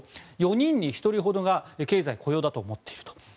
４人に１人が経済・雇用だと思っていると。